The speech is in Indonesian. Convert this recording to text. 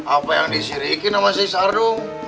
apa yang disirikin sama si sardu